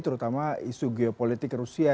terutama isu geopolitik rusia